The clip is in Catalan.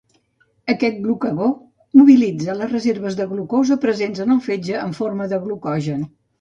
Aquest glucagó mobilitza les reserves de glucosa presents en el fetge en forma de glucogen.